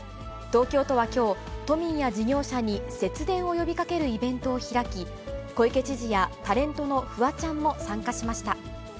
東京都はきょう、都民や事業者に節電を呼びかけるイベントを開き、小池知事やタレントのフワちゃんも参加しました。